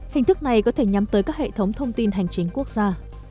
hình thức này có thể nhắm tới các hệ thống thông tin hành chính quốc gia